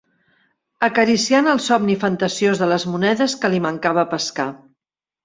Acariciant el somni fantasiós de les monedes que li mancava pescar